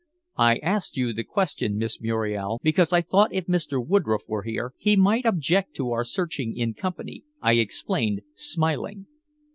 "I asked you the question, Miss Muriel, because I thought if Mr. Woodroffe were here, he might object to our searching in company," I explained, smiling.